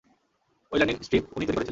ওই landing strip উনিই তৈরি করেছিলেন।